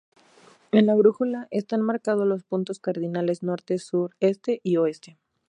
En la brújula están marcados los puntos cardinales: Norte, Sur, Este y Oeste.